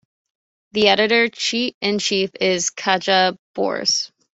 The Editor in Chief is Katja Brose.